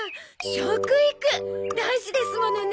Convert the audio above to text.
食育大事ですものね。